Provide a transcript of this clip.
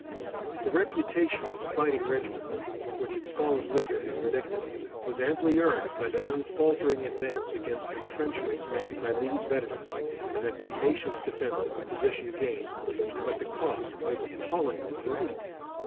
The reputation of a fighting regiment, which its fallen leader had predicted, was amply earned by that unfaltering advance against intrenchments manned by Lee's veterans, and that tenacious defence of the position gained, but the cost was appallingly great.